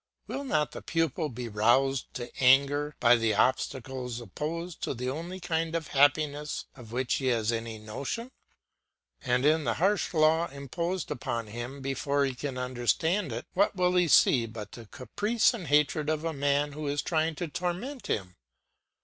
Will not the pupil be roused to anger by the obstacles opposed to the only kind of happiness of which he has any notion? And in the harsh law imposed upon him before he can understand it, what will he see but the caprice and hatred of a man who is trying to torment him?